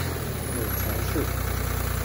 母权氏。